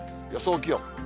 予想気温。